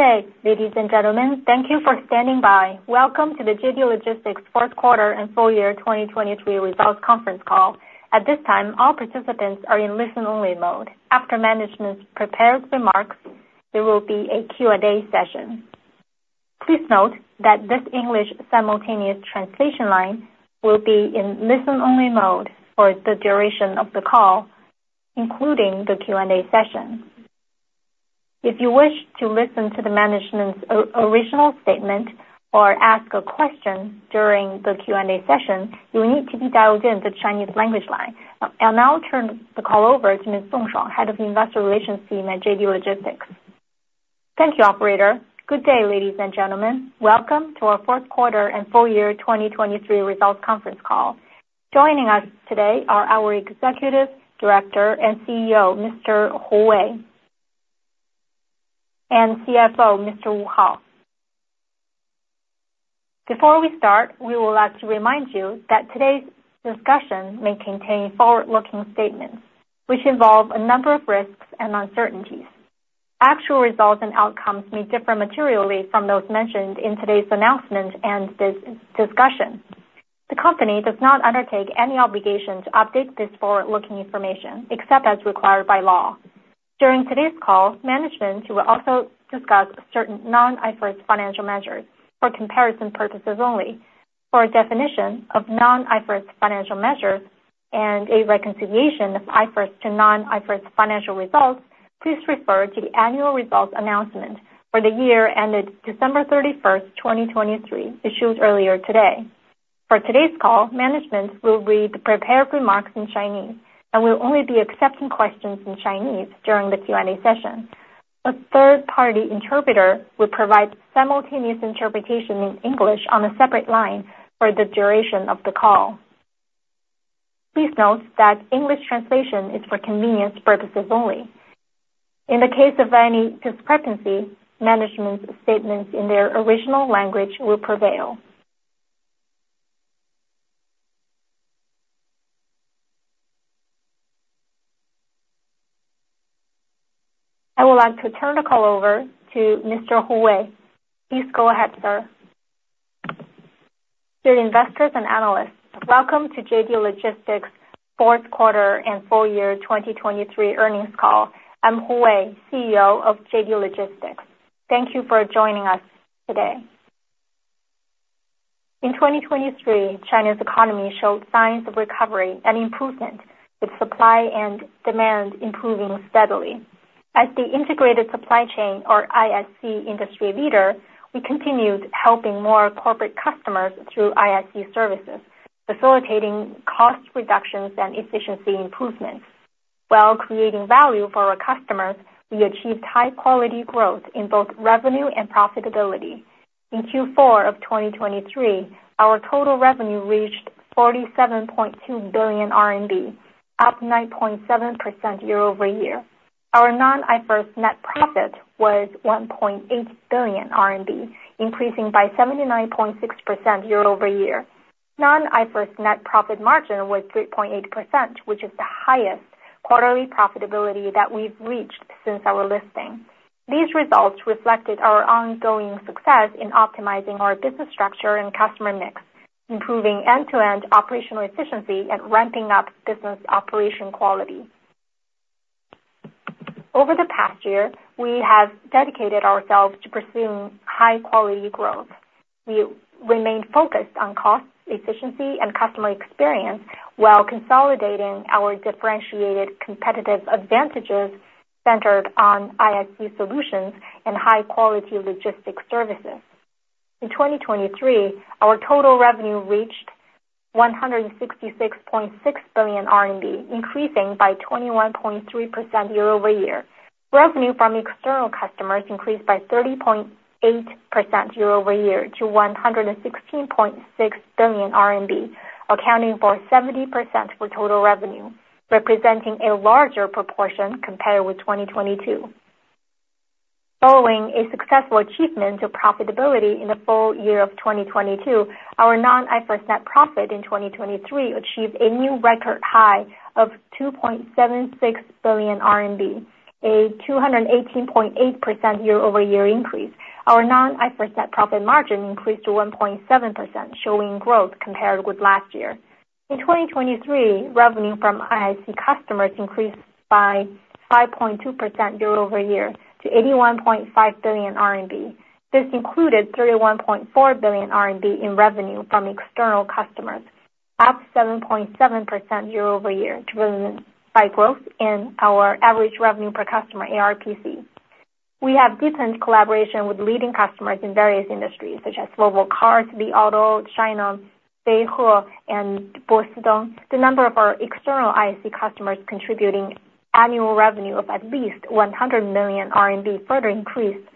Good day, ladies and gentlemen. Thank you for standing by. Welcome to the JD Logistics Fourth Quarter and Full Year 2023 Results Conference Call. At this time, all participants are in listen-only mode. After management's prepared remarks, there will be a Q&A session. Please note that this English simultaneous translation line will be in listen-only mode for the duration of the call, including the Q&A session. If you wish to listen to the management's original statement or ask a question during the Q&A session, you will need to be dialed in to the Chinese language line. I'll now turn the call over to Ms. Song Shuang, Head of Investor Relations team at JD Logistics. Thank you, operator. Good day, ladies and gentlemen. Welcome to our fourth quarter and full year 2023 results conference call. Joining us today are our Executive Director and CEO, Mr. Hu, and CFO, Mr.Wu Before we start, we would like to remind you that today's discussion may contain forward-looking statements, which involve a number of risks and uncertainties. Actual results and outcomes may differ materially from those mentioned in today's announcement and this discussion. The company does not undertake any obligation to update this forward-looking information, except as required by law. During today's call, management will also discuss certain non-IFRS financial measures for comparison purposes only. For a definition of non-IFRS financial measures and a reconciliation of IFRS to non-IFRS financial results, please refer to the annual results announcement for the year ended December 31, 2023, issued earlier today. For today's call, management will read the prepared remarks in Chinese and we'll only be accepting questions in Chinese during the Q&A session. A third-party interpreter will provide simultaneous interpretation in English on a separate line for the duration of the call. Please note that English translation is for convenience purposes only. In the case of any discrepancy, management's statements in their original language will prevail. I would like to turn the call over to Mr. Hu. Please go ahead, sir. Dear investors and analysts, welcome to JD Logistics' fourth quarter and full year 2023 earnings call. I'm Hu, CEO of JD Logistics. Thank you for joining us today. In 2023, China's economy showed signs of recovery and improvement, with supply and demand improving steadily. As the integrated supply chain, or ISC, industry leader, we continued helping more corporate customers through ISC services, facilitating cost reductions and efficiency improvements. While creating value for our customers, we achieved high quality growth in both revenue and profitability. In Q4 of 2023, our total revenue reached 47.2 billion RMB, up 9.7% year-over-year. Our non-IFRS net profit was 1.8 billion RMB, increasing by 79.6% year-over-year. Non-IFRS net profit margin was 3.8%, which is the highest quarterly profitability that we've reached since our listing. These results reflected our ongoing success in optimizing our business structure and customer mix, improving end-to-end operational efficiency and ramping up business operation quality. Over the past year, we have dedicated ourselves to pursuing high quality growth. We remained focused on cost, efficiency, and customer experience while consolidating our differentiated competitive advantages centered on ISC solutions and high-quality logistics services. In 2023, our total revenue reached 166.6 billion RMB, increasing by 21.3% year-over-year. Revenue from external customers increased by 30.8% year-over-year to 116.6 billion RMB, accounting for 70% of total revenue, representing a larger proportion compared with 2022. Following a successful achievement of profitability in the full year of 2022, our non-IFRS net profit in 2023 achieved a new record high of 2.76 billion RMB, a 218.8% year-over-year increase. Our non-IFRS net profit margin increased to 1.7%, showing growth compared with last year. In 2023, revenue from ISC customers increased by 5.2% year-over-year to 81.5 billion RMB. This included 31.4 billion RMB in revenue from external customers, up 7.7% year-over-year, driven by growth in our average revenue per customer, ARPC. We have deepened collaboration with leading customers in various industries, such as Volvo Cars, the Auto, China, Beihua, and Bosideng. The number of our external ISC customers contributing annual revenue of at least 100 million RMB further increased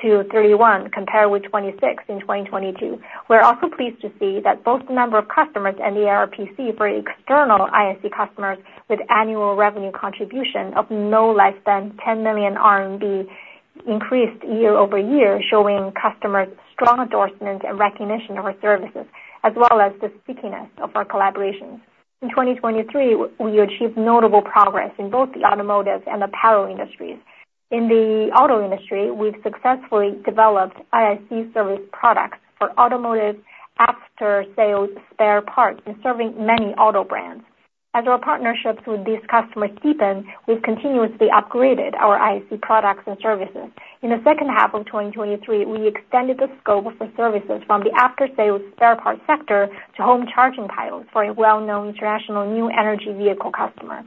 to 31, compared with 26 in 2022. We're also pleased to see that both the number of customers and the ARPC for external ISC customers with annual revenue contribution of no less than 10 million RMB increased year over year, showing customers strong endorsement and recognition of our services, as well as the stickiness of our collaborations. In 2023, we achieved notable progress in both the automotive and apparel industries. In the auto industry, we've successfully developed ISC service products for automotive after-sales spare parts and serving many auto brands. As our partnerships with these customers deepen, we've continuously upgraded our ISC products and services. In the second half of 2023, we extended the scope of the services from the after-sales spare parts sector to home charging piles for a well-known international new energy vehicle customer.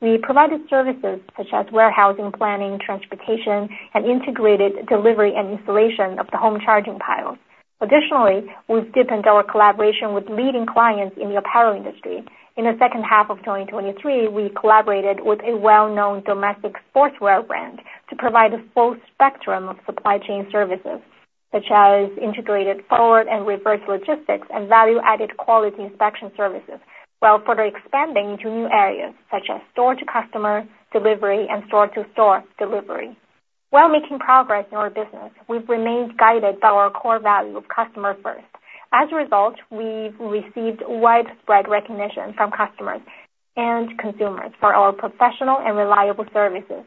We provided services such as warehousing, planning, transportation, and integrated delivery and installation of the home charging piles. Additionally, we've deepened our collaboration with leading clients in the apparel industry. In the second half of 2023, we collaborated with a well-known domestic sportswear brand to provide a full spectrum of supply chain services, such as integrated forward and reverse logistics and value-added quality inspection services, while further expanding into new areas such as store-to-customer delivery and store-to-store delivery. While making progress in our business, we've remained guided by our core value of customer first. As a result, we've received widespread recognition from customers and consumers for our professional and reliable services.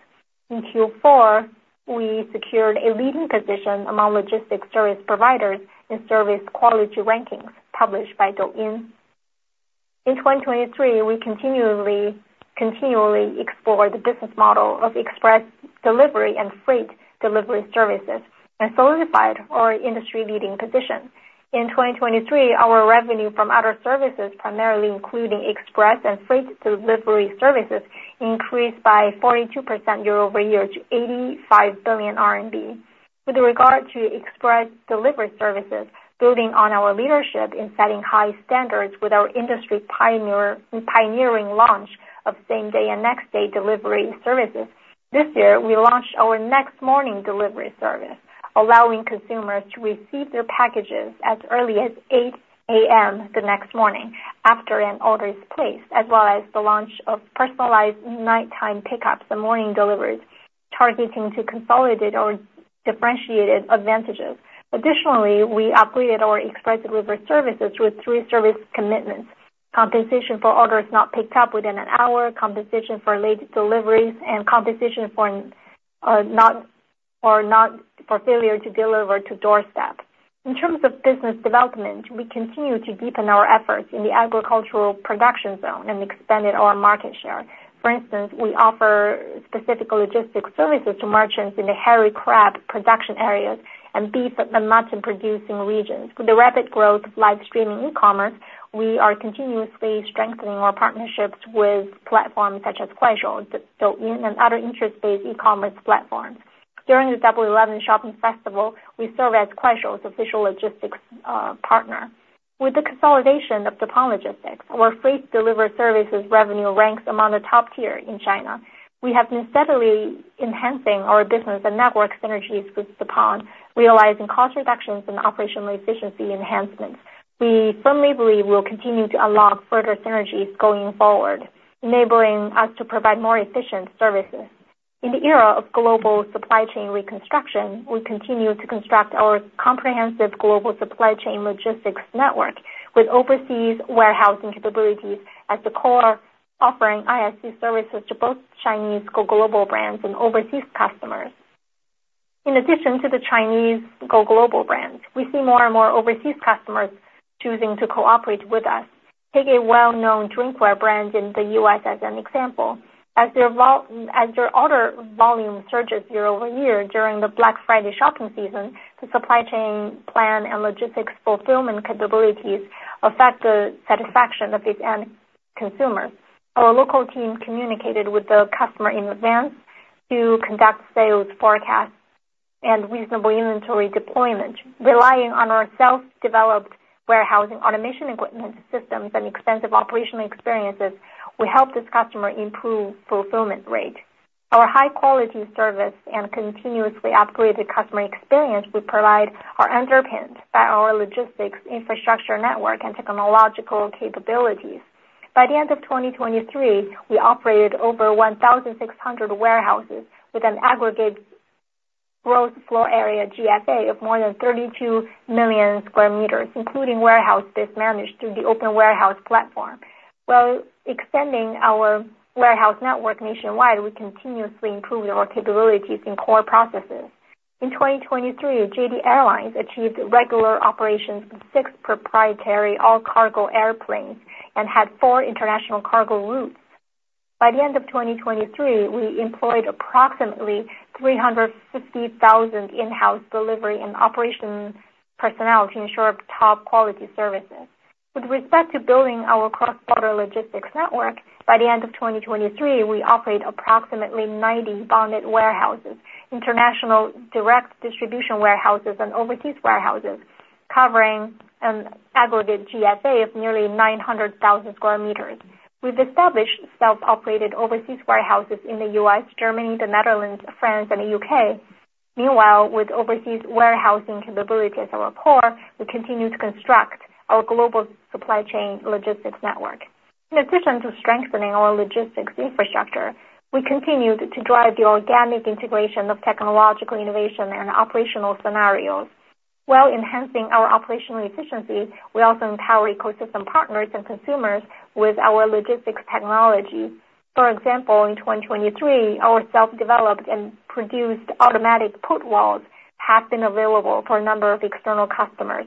In Q4, we secured a leading position among logistics service providers in service quality rankings published by Douyin. In 2023, we continually explored the business model of express delivery and freight delivery services and solidified our industry-leading position. In 2023, our revenue from other services, primarily including express and freight delivery services, increased by 42% year-over-year to 85 billion RMB. With regard to express delivery services, building on our leadership in setting high standards with our industry pioneering launch of same-day and next-day delivery services, this year, we launched our next morning delivery service, allowing consumers to receive their packages as early as 8:00 A.M. the next morning, after an order is placed, as well as the launch of personalized nighttime pickups and morning deliveries, targeting to consolidate our differentiated advantages. Additionally, we upgraded our express delivery services with three service commitments: compensation for orders not picked up within an hour, compensation for late deliveries, and compensation for, not, or not for failure to deliver to doorstep. In terms of business development, we continue to deepen our efforts in the agricultural production zone and expanded our market share. For instance, we offer specific logistics services to merchants in the hairy crab production areas and beef and mutton-producing regions. With the rapid growth of live streaming e-commerce, we are continuously strengthening our partnerships with platforms such as Kuaishou, Douyin, and other interest-based e-commerce platforms. During the Double Eleven Shopping Festival, we served as Kuaishou's official logistics partner. With the consolidation of Deppon Logistics, our freight delivery services revenue ranks among the top tier in China. We have been steadily enhancing our business and network synergies with Deppon, realizing cost reductions and operational efficiency enhancements. We firmly believe we'll continue to unlock further synergies going forward, enabling us to provide more efficient services. In the era of global supply chain reconstruction, we continue to construct our comprehensive global supply chain logistics network with overseas warehousing capabilities at the core, offering ISC services to both Chinese go-global brands and overseas customers. In addition to the Chinese go-global brands, we see more and more overseas customers choosing to cooperate with us. Take a well-known drinkware brand in the US as an example. As their order volume surges year over year during the Black Friday shopping season, the supply chain plan and logistics fulfillment capabilities affect the satisfaction of its end consumers. Our local team communicated with the customer in advance to conduct sales forecasts and reasonable inventory deployment. Relying on our self-developed warehousing, automation equipment systems, and extensive operational experiences, we helped this customer improve fulfillment rate. Our high-quality service and continuously upgraded customer experience we provide are underpinned by our logistics infrastructure network and technological capabilities. By the end of 2023, we operated over 1,600 warehouses with an aggregate gross floor area, GFA, of more than 32 million square meters, including warehouse space managed through the Open Warehouse Platform. While extending our warehouse network nationwide, we continuously improving our capabilities in core processes. In 2023, JD Airlines achieved regular operations with six proprietary all-cargo airplanes and had four international cargo routes. By the end of 2023, we employed approximately 360,000 in-house delivery and operation personnel to ensure top quality services. With respect to building our cross-border logistics network, by the end of 2023, we operate approximately 90 bonded warehouses, international direct distribution warehouses, and overseas warehouses, covering an aggregate GFA of nearly 900,000 square meters. We've established self-operated overseas warehouses in the U.S., Germany, the Netherlands, France, and the U.K. Meanwhile, with overseas warehousing capabilities at our core, we continue to construct our global supply chain logistics network. In addition to strengthening our logistics infrastructure, we continued to drive the organic integration of technological innovation and operational scenarios.... While enhancing our operational efficiency, we also empower ecosystem partners and consumers with our logistics technology. For example, in 2023, our self-developed and produced automatic put walls have been available for a number of external customers.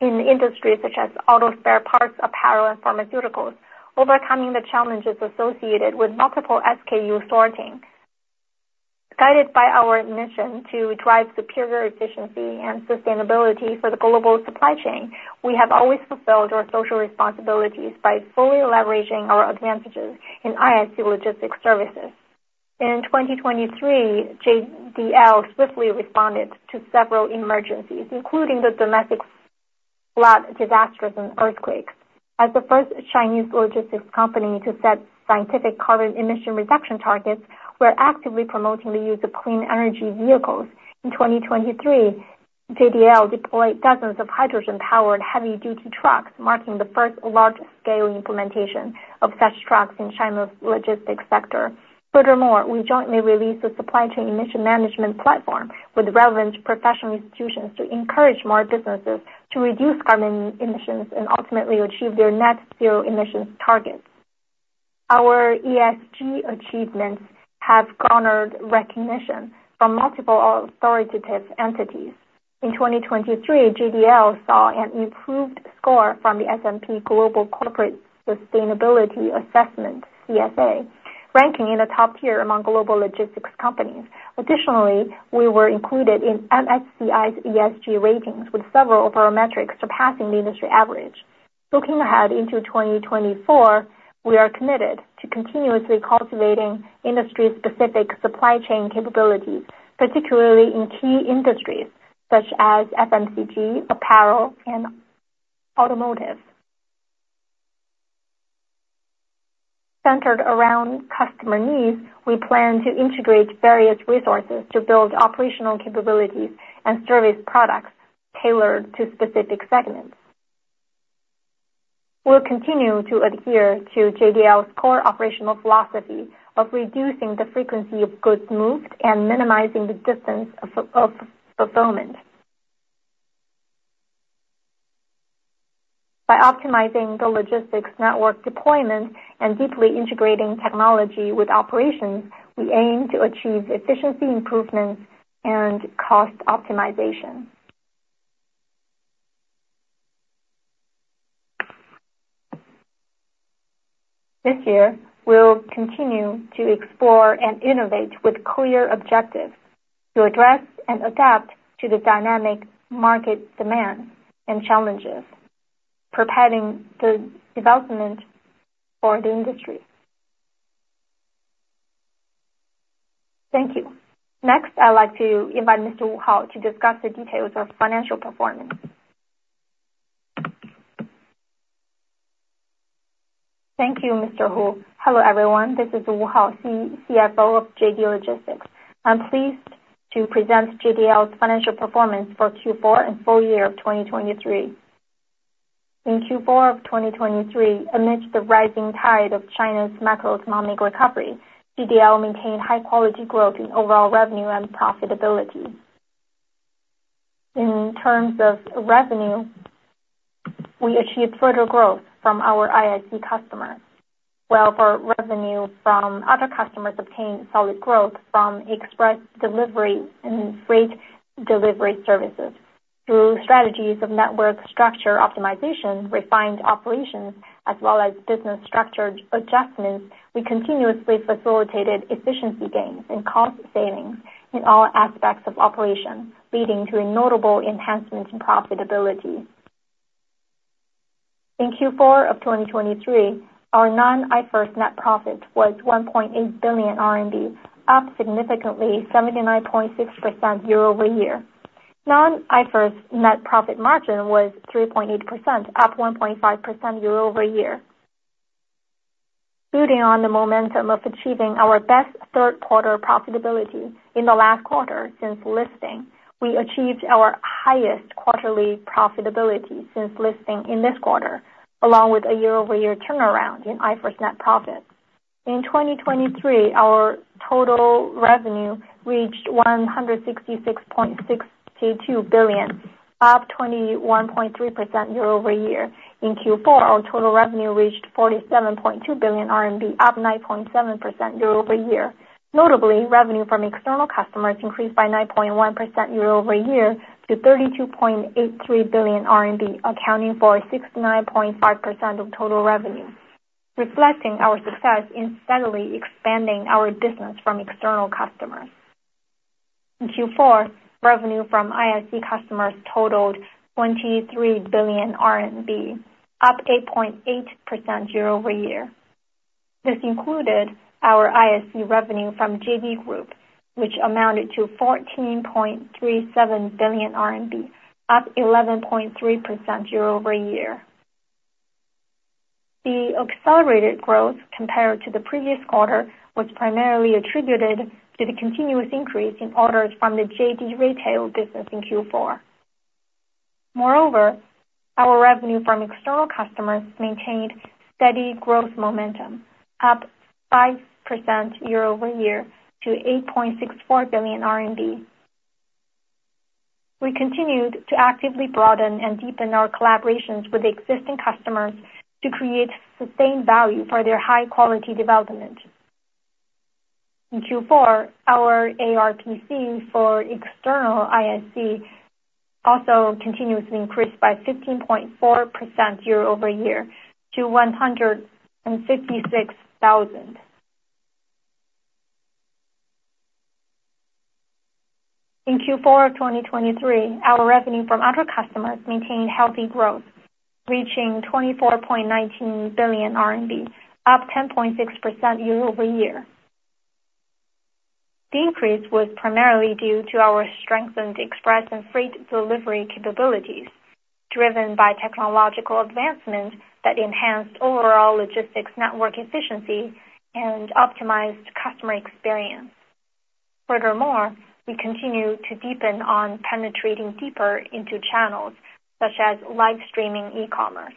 In industries such as auto spare parts, apparel, and pharmaceuticals, overcoming the challenges associated with multiple SKU sorting. Guided by our mission to drive superior efficiency and sustainability for the global supply chain, we have always fulfilled our social responsibilities by fully leveraging our advantages in ISC logistics services. In 2023, JDL swiftly responded to several emergencies, including the domestic flood disasters and earthquakes. As the first Chinese logistics company to set scientific carbon emission reduction targets, we're actively promoting the use of clean energy vehicles. In 2023, JDL deployed dozens of hydrogen-powered heavy-duty trucks, marking the first large-scale implementation of such trucks in China's logistics sector. Furthermore, we jointly released a supply chain emission management platform with relevant professional institutions to encourage more businesses to reduce carbon emissions and ultimately achieve their net zero emissions targets. Our ESG achievements have garnered recognition from multiple authoritative entities. In 2023, JDL saw an improved score from the S&P Global Corporate Sustainability Assessment, CSA, ranking in the top tier among global logistics companies. Additionally, we were included in MSCI's ESG ratings, with several of our metrics surpassing the industry average. Looking ahead into 2024, we are committed to continuously cultivating industry-specific supply chain capabilities, particularly in key industries such as FMCG, apparel, and automotive. Centered around customer needs, we plan to integrate various resources to build operational capabilities and service products tailored to specific segments. We'll continue to adhere to JDL's core operational philosophy of reducing the frequency of goods moved and minimizing the distance of fulfillment. By optimizing the logistics network deployment and deeply integrating technology with operations, we aim to achieve efficiency improvements and cost optimization. This year, we'll continue to explore and innovate with clear objectives to address and adapt to the dynamic market demand and challenges, propelling the development for the industry. Thank you. Next, I'd like to invite Mr. Wu Hao to discuss the details of financial performance. Thank you, Mr. Hu. Hello, everyone. This is Wu Hao, CFO of JD Logistics. I'm pleased to present JDL's financial performance for Q4 and full year of 2023. In Q4 of 2023, amidst the rising tide of China's macroeconomic recovery, JDL maintained high-quality growth in overall revenue and profitability. In terms of revenue, we achieved further growth from our ISC customers, while our revenue from other customers obtained solid growth from express delivery and freight delivery services. Through strategies of network structure optimization, refined operations, as well as business structure adjustments, we continuously facilitated efficiency gains and cost savings in all aspects of operation, leading to a notable enhancement in profitability. In Q4 of 2023, our non-IFRS net profit was 1.8 billion RMB, up significantly 79.6% year-over-year. Non-IFRS net profit margin was 3.8%, up 1.5% year-over-year. Building on the momentum of achieving our best third quarter profitability in the last quarter since listing, we achieved our highest quarterly profitability since listing in this quarter, along with a year-over-year turnaround in IFRS net profit. In 2023, our total revenue reached 166.62 billion, up 21.3% year-over-year. In Q4, our total revenue reached 47.2 billion RMB, up 9.7% year-over-year. Notably, revenue from external customers increased by 9.1% year-over-year to 32.83 billion RMB, accounting for 69.5% of total revenue, reflecting our success in steadily expanding our business from external customers. In Q4, revenue from ISC customers totaled 23 billion RMB, up 8.8% year-over-year. This included our ISC revenue from JD Group, which amounted to 14.37 billion RMB, up 11.3% year-over-year. The accelerated growth compared to the previous quarter was primarily attributed to the continuous increase in orders from the JD retail business in Q4. Moreover, our revenue from external customers maintained steady growth momentum, up 5% year-over-year to 8.64 billion RMB. We continued to actively broaden and deepen our collaborations with existing customers to create sustained value for their high quality development. In Q4, our ARPC for external ISC also continuously increased by 15.4% year-over-year to CNY 156,000. In Q4 of 2023, our revenue from other customers maintained healthy growth, reaching 24.19 billion RMB, up 10.6% year-over-year. The increase was primarily due to our strengthened express and freight delivery capabilities, driven by technological advancements that enhanced overall logistics network efficiency and optimized customer experience. Furthermore, we continue to deepen on penetrating deeper into channels such as live streaming e-commerce.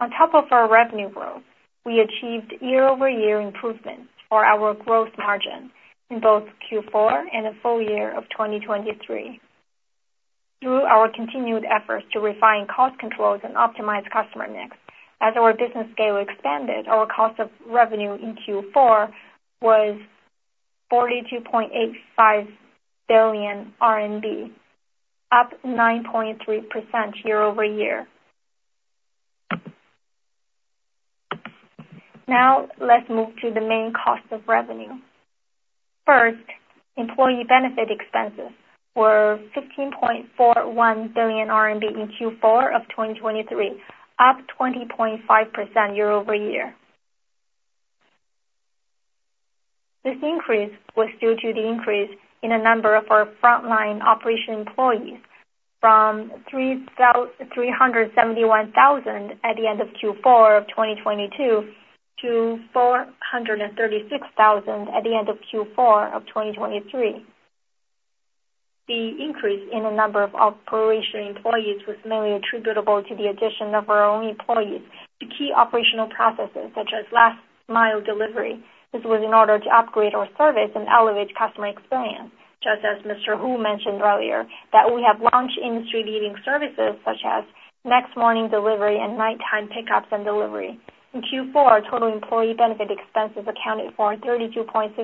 On top of our revenue growth, we achieved year-over-year improvements for our growth margin in both Q4 and the full year of 2023. Through our continued efforts to refine cost controls and optimize customer mix. As our business scale expanded, our cost of revenue in Q4 was CNY 42.85 billion, up 9.3% year-over-year. Now, let's move to the main cost of revenue. First, employee benefit expenses were 15.41 billion RMB in Q4 of 2023, up 20.5% year-over-year. This increase was due to the increase in the number of our frontline operation employees from 371,000 at the end of Q4 of 2022 to 436,000 at the end of Q4 of 2023. The increase in the number of operation employees was mainly attributable to the addition of our own employees to key operational processes, such as last mile delivery. This was in order to upgrade our service and elevate customer experience, just as Mr. Hu mentioned earlier that we have launched industry-leading services such as next morning delivery and nighttime pickups and delivery. In Q4, our total employee benefit expenses accounted for 32.6%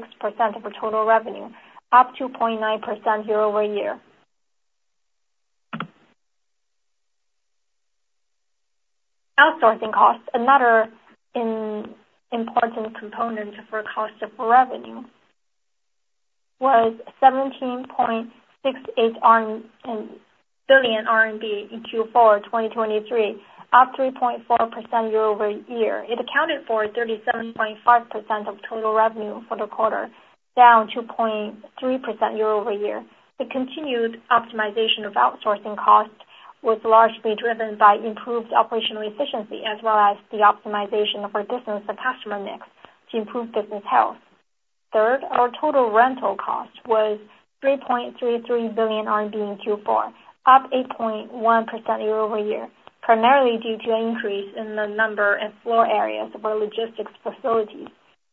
of our total revenue, up 2.9% year-over-year. Outsourcing costs, another important component for cost of revenue, was 17.68 billion RMB in Q4 2023, up 3.4% year-over-year. It accounted for 37.5% of total revenue for the quarter, down 2.3% year-over-year. The continued optimization of outsourcing costs was largely driven by improved operational efficiency, as well as the optimization of our business and customer mix to improve business health. Third, our total rental cost was 3.33 billion RMB in Q4, up 8.1% year-over-year, primarily due to an increase in the number and floor areas of our logistics facilities,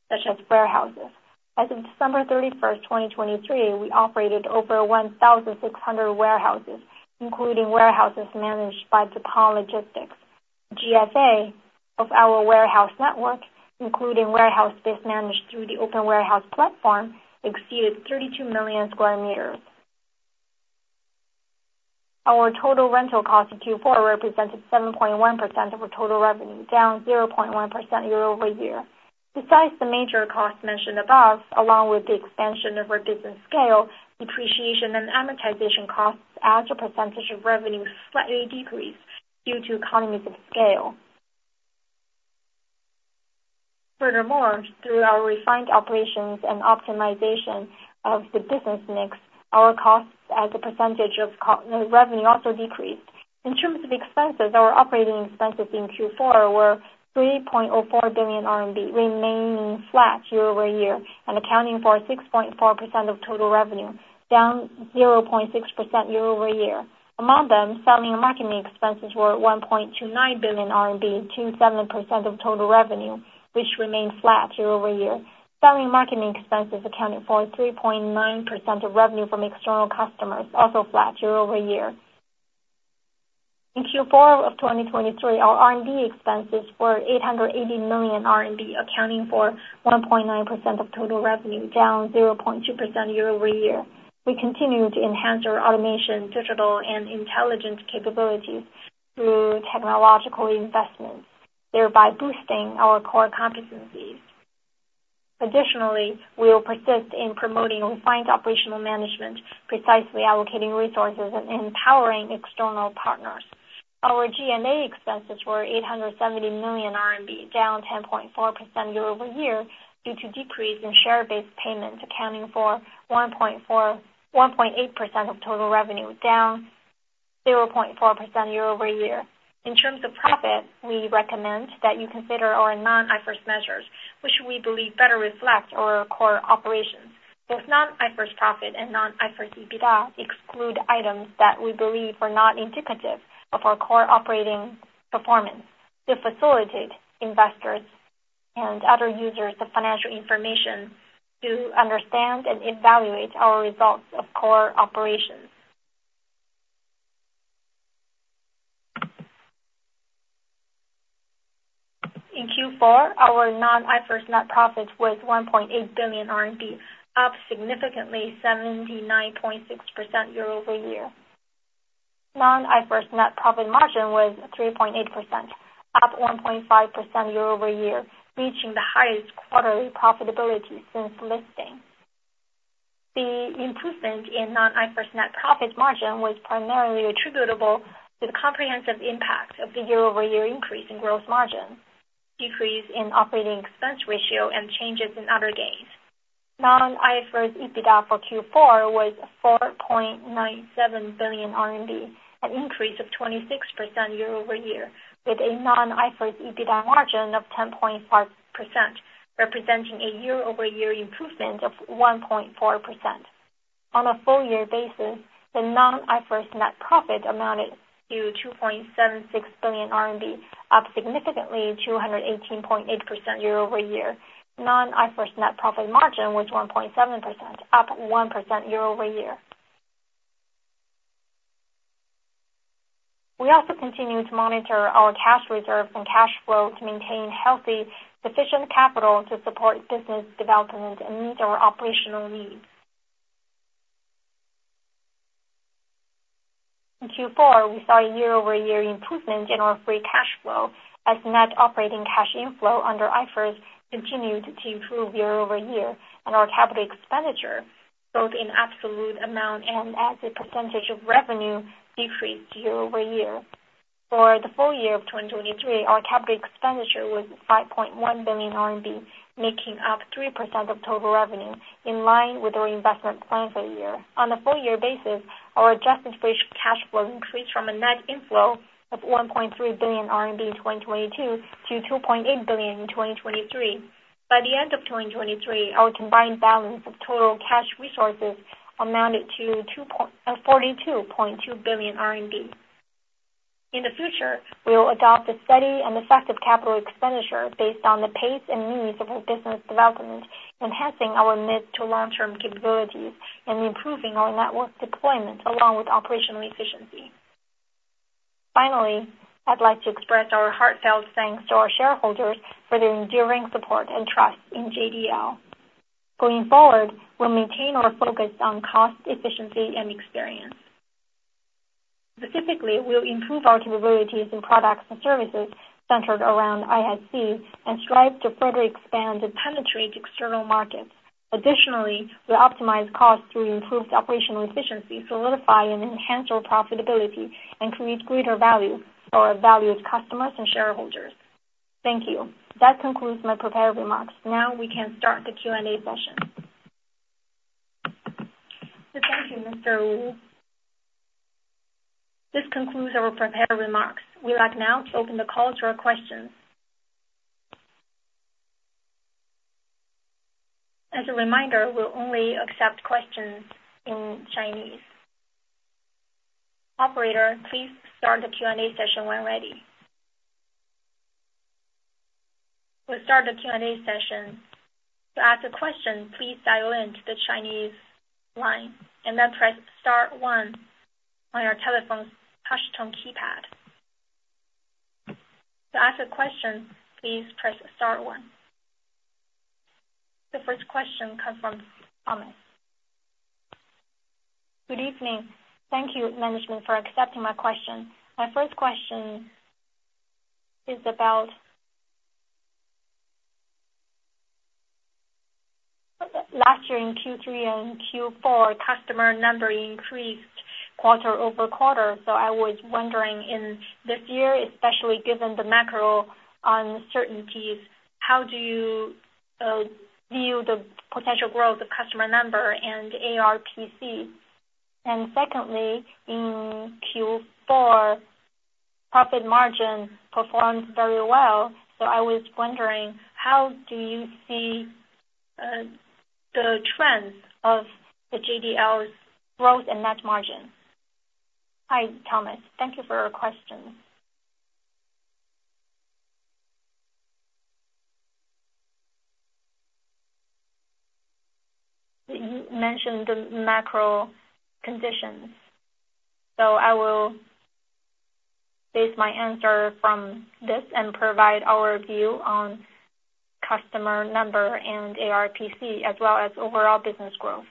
such as warehouses. As of December thirty-first, 2023, we operated over 1,600 warehouses, including warehouses managed by Deppon Logistics. GFA of our warehouse network, including warehouse space managed through the open warehouse platform, exceeded 32 million sq m. Our total rental cost in Q4 represented 7.1% of our total revenue, down 0.1% year-over-year. Besides the major costs mentioned above, along with the expansion of our business scale, depreciation and amortization costs as a percentage of revenue slightly decreased due to economies of scale. Furthermore, through our refined operations and optimization of the business mix, our costs as a percentage of revenue also decreased. In terms of expenses, our operating expenses in Q4 were 3.04 billion RMB, remaining flat year-over-year and accounting for 6.4% of total revenue, down 0.6% year-over-year. Among them, selling and marketing expenses were 1.29 billion RMB, 2.7% of total revenue, which remained flat year-over-year. Selling and marketing expenses accounted for 3.9% of revenue from external customers, also flat year-over-year. In Q4 of 2023, our R&D expenses were 880 million, accounting for 1.9% of total revenue, down 0.2% year-over-year. We continue to enhance our automation, digital, and intelligence capabilities through technological investments, thereby boosting our core competencies. Additionally, we will persist in promoting refined operational management, precisely allocating resources, and empowering external partners. Our G&A expenses were 870 million RMB, down 10.4% year-over-year, due to decrease in share-based payments, accounting for 1.4-1.8% of total revenue, down 0.4% year-over-year. In terms of profit, we recommend that you consider our non-IFRS measures, which we believe better reflect our core operations. Both non-IFRS profit and non-IFRS EBITDA exclude items that we believe are not indicative of our core operating performance to facilitate investors and other users of financial information to understand and evaluate our results of core operations. In Q4, our non-IFRS net profit was CNY 1.8 billion, up significantly 79.6% year-over-year. Non-IFRS net profit margin was 3.8%, up 1.5% year-over-year, reaching the highest quarterly profitability since listing. The improvement in non-IFRS net profit margin was primarily attributable to the comprehensive impact of the year-over-year increase in gross margin, decrease in operating expense ratio, and changes in other gains. Non-IFRS EBITDA for Q4 was 4.97 billion RMB, an increase of 26% year-over-year, with a non-IFRS EBITDA margin of 10.5%, representing a year-over-year improvement of 1.4%. On a full year basis, the non-IFRS net profit amounted to 2.76 billion RMB, up significantly, 218.8% year-over-year. Non-IFRS net profit margin was 1.7%, up 1% year-over-year. We also continue to monitor our cash reserves and cash flow to maintain healthy, sufficient capital to support business development and meet our operational needs. In Q4, we saw a year-over-year improvement in our free cash flow as net operating cash inflow under IFRS continued to improve year-over-year, and our capital expenditure, both in absolute amount and as a percentage of revenue, decreased year-over-year. For the full year of 2023, our capital expenditure was 5.1 billion RMB, making up 3% of total revenue, in line with our investment plan for the year. On a full year basis, our adjusted free cash flow increased from a net inflow of 1.3 billion RMB in 2022 to 2.8 billion in 2023. By the end of 2023, our combined balance of total cash resources amounted to 42.2 billion RMB. In the future, we will adopt a steady and effective capital expenditure based on the pace and needs of our business development, enhancing our mid- to long-term capabilities and improving our network deployment along with operational efficiency. Finally, I'd like to express our heartfelt thanks to our shareholders for their enduring support and trust in JDL. Going forward, we'll maintain our focus on cost, efficiency, and experience. Specifically, we'll improve our capabilities in products and services centered around ISC, and strive to further expand and penetrate external markets. Additionally, we'll optimize costs through improved operational efficiency, solidify and enhance our profitability, and create greater value for our valued customers and shareholders. Thank you. That concludes my prepared remarks. Now we can start the Q&A session. Thank you, Mr. Wu. This concludes our prepared remarks. We'd like now to open the call to our questions. As a reminder, we'll only accept questions in Chinese. Operator, please start the Q&A session when ready. We'll start the Q&A session. To ask a question, please dial in to the Chinese line and then press star one on your telephone's touch tone keypad. To ask a question, please press star one. The first question comes from Thomas. Good evening. Thank you, management, for accepting my question. My first question is about last year, in Q3 and Q4, customer number increased quarter-over-quarter, so I was wondering, in this year, especially given the macro uncertainties, how do you view the potential growth of customer number and ARPC? And secondly, in Q4, profit margin performed very well, so I was wondering, how do you see the trends of the JDL's growth and net margin? Hi, Thomas. Thank you for your question. You mentioned the macro conditions, so I will base my answer from this and provide our view on customer number and ARPC, as well as overall business growth.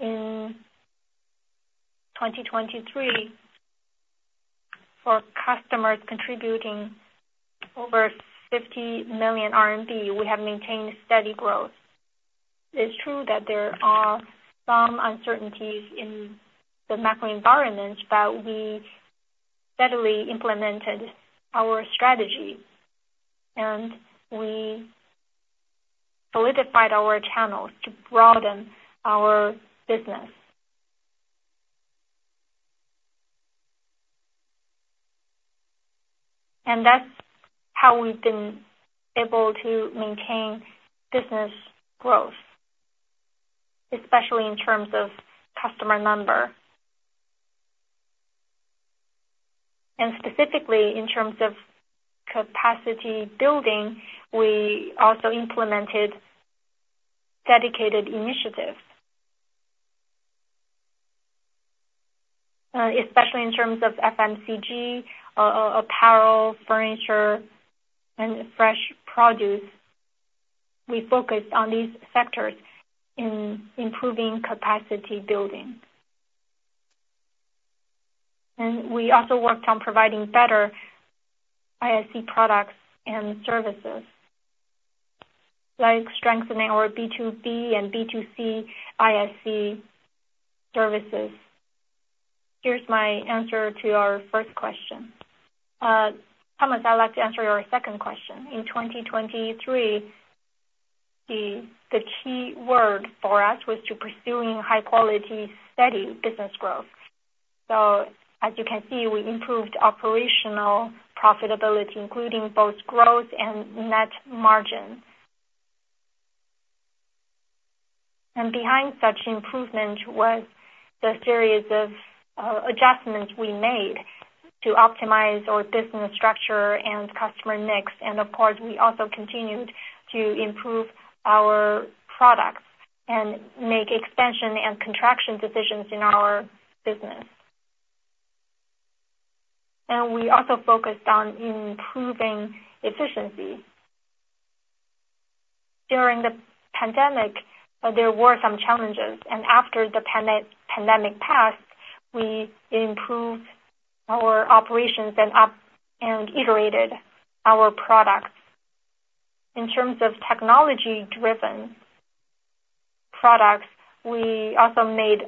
In 2023, for customers contributing over 50 million RMB, we have maintained steady growth. It's true that there are some uncertainties in the macro environment, but we steadily implemented our strategy, and we solidified our channels to broaden our business... and that's how we've been able to maintain business growth, especially in terms of customer number. Specifically, in terms of capacity building, we also implemented dedicated initiatives. especially in terms of FMCG, apparel, furniture, and fresh produce. We focused on these sectors in improving capacity building. And we also worked on providing better ISC products and services, like strengthening our B2B and B2C ISC services. Here's my answer to our first question. Thomas, I'd like to answer your second question. In 2023, the key word for us was to pursuing high quality, steady business growth. So as you can see, we improved operational profitability, including both growth and net margin. And behind such improvement was the series of adjustments we made to optimize our business structure and customer mix, and of course, we also continued to improve our products and make expansion and contraction decisions in our business. And we also focused on improving efficiency. During the pandemic, there were some challenges, and after the pandemic passed, we improved our operations and iterated our products. In terms of technology-driven products, we also made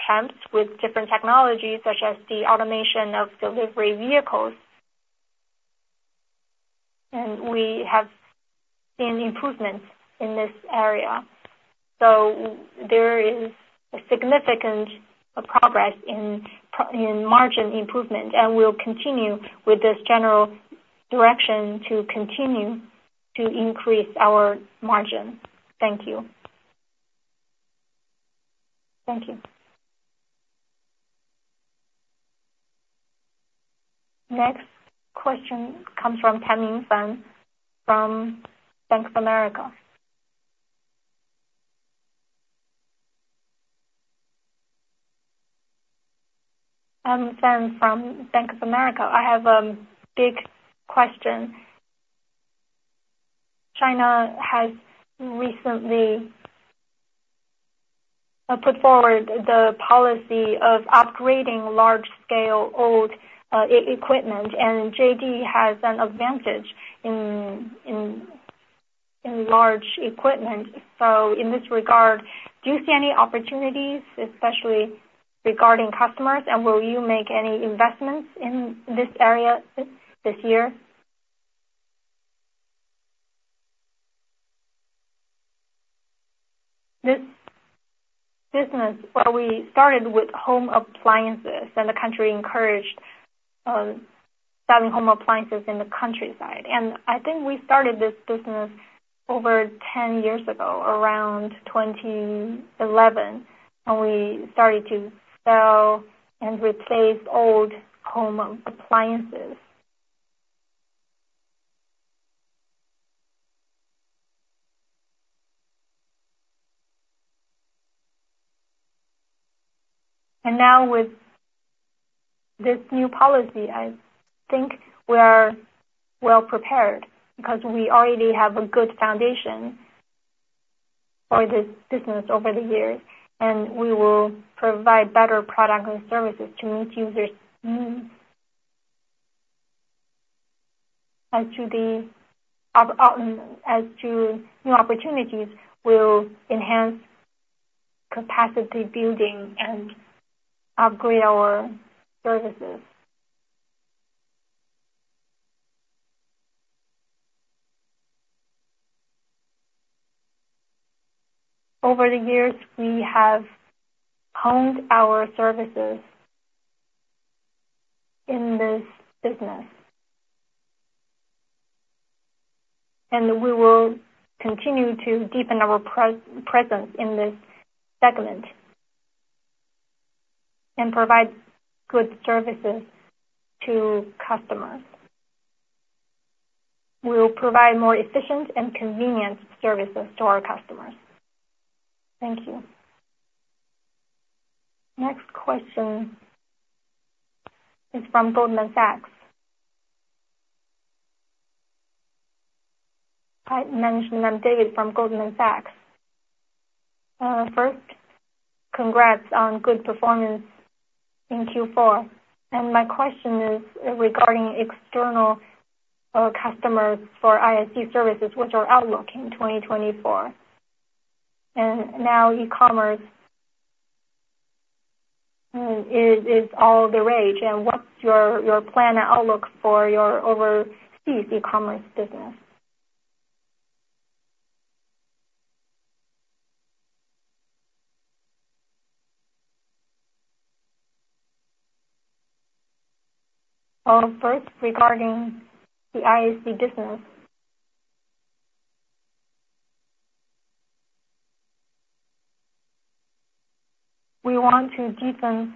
attempts with different technologies, such as the automation of delivery vehicles. And we have seen improvements in this area. So there is significant progress in margin improvement, and we'll continue with this general direction to continue to increase our margin. Thank you. Thank you. Next question comes from Fan Tianshu from Bank of America. Fan from Bank of America. I have a big question. China has recently put forward the policy of upgrading large-scale old equipment, and JD has an advantage in large equipment. So in this regard, do you see any opportunities, especially regarding customers, and will you make any investments in this area this year? This business, well, we started with home appliances, and the country encouraged selling home appliances in the countryside. I think we started this business over 10 years ago, around 2011, and we started to sell and replace old home appliances. And now with this new policy, I think we are well prepared, because we already have a good foundation for this business over the years, and we will provide better products and services to meet users' needs. As to new opportunities, we'll enhance capacity building and upgrade our services. Over the years, we have honed our services in this business. And we will continue to deepen our presence in this segment, and provide good services to customers. We will provide more efficient and convenient services to our customers. Thank you. Next question is from Goldman Sachs. Hi, management, I'm David from Goldman Sachs. First, congrats on good performance in Q4. My question is regarding external customers for ISC services, which are outlook in 2024. And now e-commerce is all the rage, and what's your plan outlook for your overseas e-commerce business? ... Well, first, regarding the ISC business, we want to deepen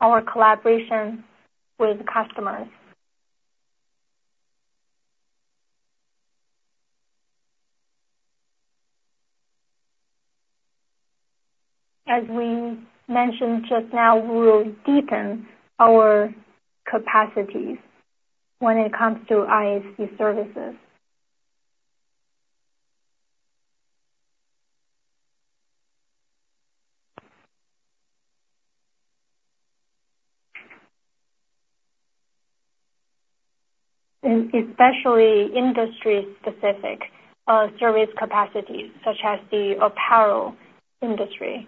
our collaboration with customers. As we mentioned just now, we will deepen our capacities when it comes to ISC services. And especially industry-specific service capacities, such as the apparel industry.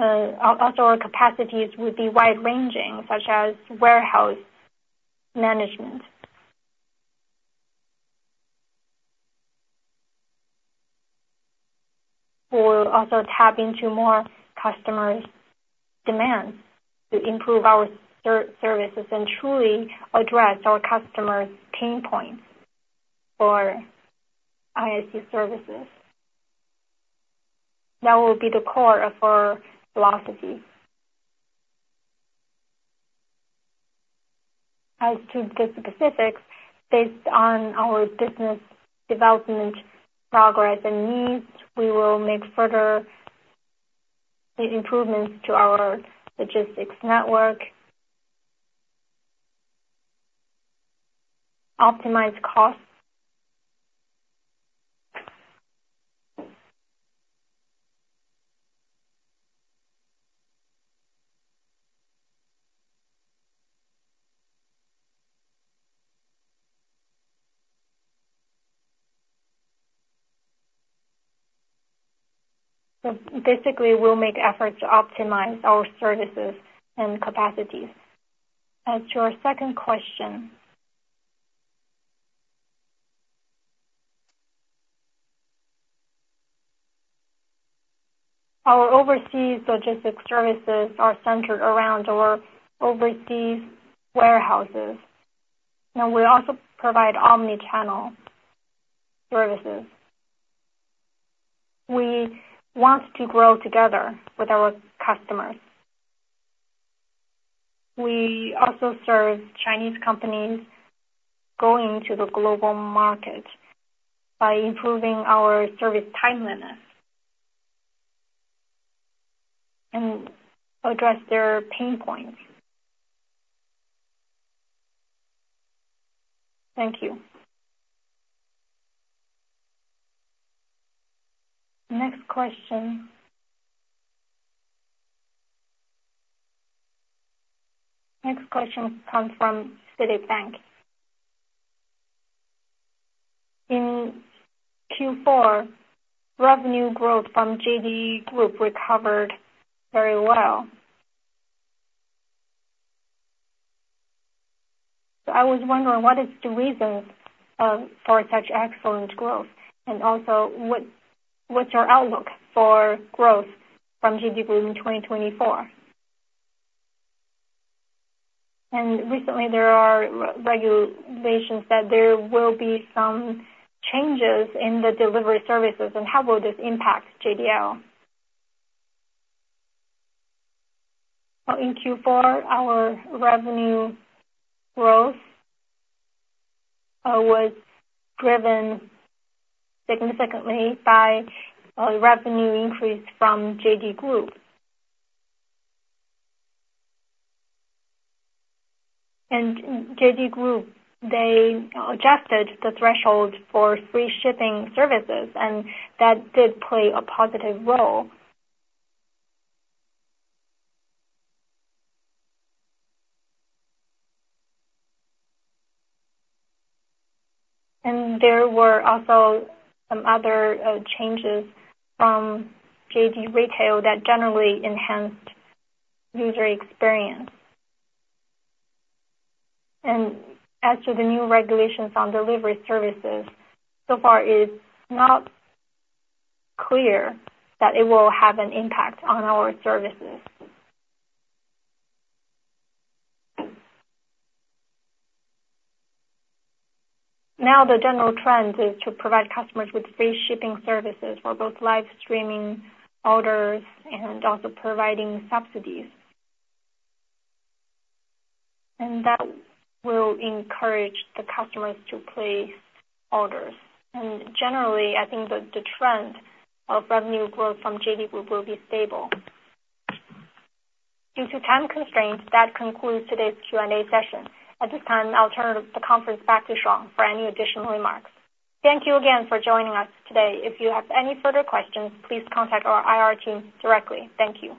And our capacities would be wide-ranging, such as warehouse management. We will also tap into more customers' demands to improve our services and truly address our customers' pain points for ISC services. That will be the core of our philosophy. As to the specifics, based on our business development progress and needs, we will make further improvements to our logistics network, optimize costs. So basically, we'll make efforts to optimize our services and capacities. As to your second question, our overseas logistics services are centered around our overseas warehouses, and we also provide omni-channel services. We want to grow together with our customers. We also serve Chinese companies going to the global market by improving our service timeliness and address their pain points. Thank you. Next question. Next question comes from Citibank. In Q4, revenue growth from JD Group recovered very well. So I was wondering, what is the reason for such excellent growth? And also, what's your outlook for growth from JD Group in 2024? And recently, there are regulations that there will be some changes in the delivery services, and how will this impact JDL? Well, in Q4, our revenue growth was driven significantly by a revenue increase from JD Group. JD Group, they adjusted the threshold for free shipping services, and that did play a positive role. There were also some other changes from JD Retail that generally enhanced user experience. As to the new regulations on delivery services, so far it's not clear that it will have an impact on our services. Now, the general trend is to provide customers with free shipping services for both live streaming orders and also providing subsidies. That will encourage the customers to place orders. Generally, I think the trend of revenue growth from JD Group will be stable. Due to time constraints, that concludes today's Q&A session. At this time, I'll turn the conference back to Shuang for any additional remarks. Thank you again for joining us today. If you have any further questions, please contact our IR team directly. Thank you.